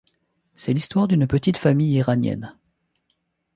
C'est l'histoire d'une petite famille iranienne.